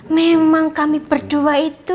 memang kami berdua itu